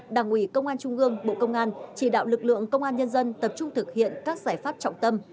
đảng ủy công an trung gương bộ công an chỉ đạo lực lượng công an nhân dân tập trung thực hiện các giải pháp trọng tâm